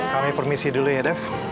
kami permisi dulu ya dev